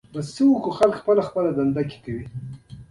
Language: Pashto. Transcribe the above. احمد تل د خپل جاهلیت له امله په خپل ځان لوبې کوي.